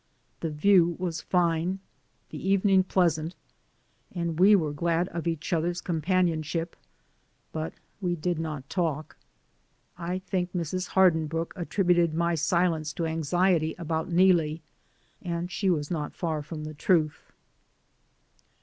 The view was fine, the evening pleasant, and we were glad of each other's companionship, but we did not talk. I think Mrs. Hardinbrooke at tributed my silence to anxiety about Neelie, and she was not far from the truth.